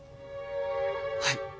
はい。